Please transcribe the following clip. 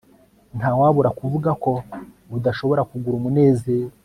Ntawabura kuvuga ko udashobora kugura umunezero